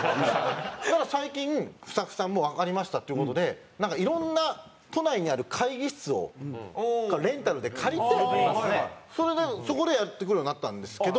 そしたら最近スタッフさんも「わかりました」っていう事でいろんな都内にある会議室をレンタルで借りてそれでそこでやってくれるようになったんですけど。